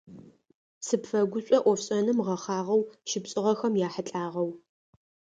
Сыпфэгушӏо ӏофшӏэным гъэхъагъэу щыпшӏыгъэхэм яхьылӏагъэу.